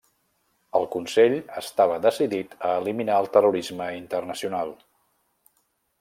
El Consell estava decidit a eliminar el terrorisme internacional.